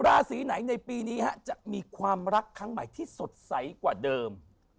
ราศีไหนในปีนี้จะมีความรักครั้งใหม่ที่สดใสกว่าเดิม